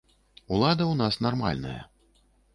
Улада ў нас нармальная.